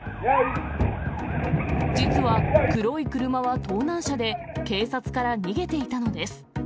実は黒い車は盗難車で、警察から逃げていたのです。